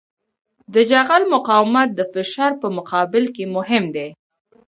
د جغل مقاومت د فشار په مقابل کې مهم دی